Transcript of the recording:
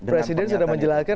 presiden sudah menjelaskan